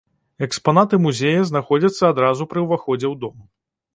Экспанаты музея знаходзяцца адразу пры ўваходзе ў дом.